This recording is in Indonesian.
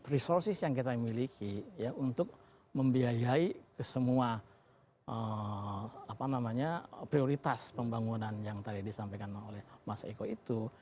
resources yang kita miliki untuk membiayai semua prioritas pembangunan yang tadi disampaikan oleh mas eko itu